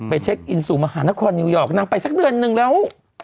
เช็คอินสู่มหานครนิวยอร์กนางไปสักเดือนนึงแล้ว